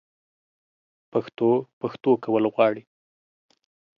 پښتو؛ پښتو کول غواړي